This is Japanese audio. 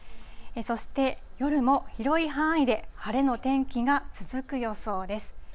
そして夜も広い範囲で晴れの天気が続く予想です。